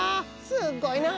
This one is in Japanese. すっごいな！